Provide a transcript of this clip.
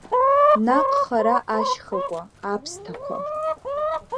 Наҟ хара ашьхакәа, аԥсҭақәа.